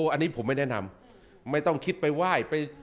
อันนี้ผมไม่แนะนำไม่ต้องคิดไปไหว้ไป